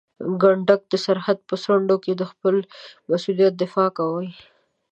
کنډک د سرحد په څنډه کې د خپل مسؤلیت دفاع کوي.